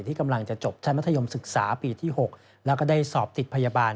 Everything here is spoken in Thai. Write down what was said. ที่กำลังจะจบชั้นมัธยมศึกษาปีที่๖แล้วก็ได้สอบติดพยาบาล